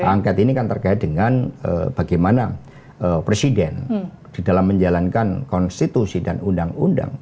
angket ini kan terkait dengan bagaimana presiden di dalam menjalankan konstitusi dan undang undang